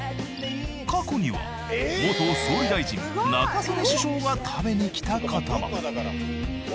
過去には元総理大臣中曽根首相が食べにきたことも。